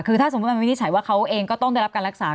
คือถ้าสมมุติมันวินิจฉัยว่าเขาเองก็ต้องได้รับการรักษา